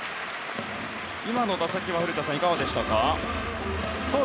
今の打席は古田さん、いかがでしたか？